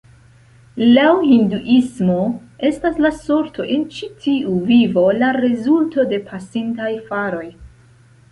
Laŭ Hinduismo estas la sorto en ĉi tiu vivo la rezulto de pasintaj faroj.